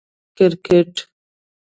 🏏 کرکټ